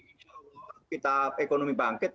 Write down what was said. insya allah kita ekonomi bangkit